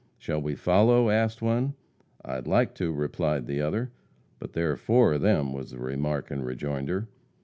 "Shall we follow?" asked one. "I would like to," replied the other. "But there are four of them," was the remark in rejoinder.